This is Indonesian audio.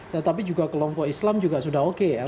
tetapi juga kelompok islam juga sudah oke ya